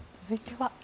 続いては。